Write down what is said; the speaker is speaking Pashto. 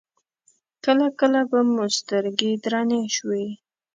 کله کله به مو سترګې درنې شوې.